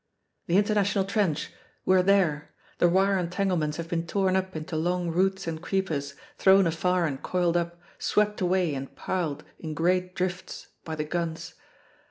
The International Trench! We are there. The wire entanglements have been torn up into long roots and creepers, thrown afar and coiled up, swept away and piled in great drifts by the guns.